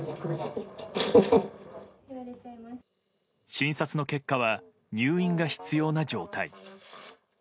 診察の結果は入院が必要な状態。